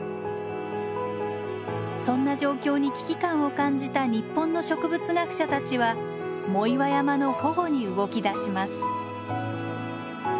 そんな状況に危機感を感じた日本の植物学者たちは藻岩山の保護に動きだします。